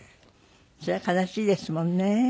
それは悲しいですもんね。